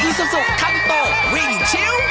อิซุสุคันโตวิ่งชิ้ว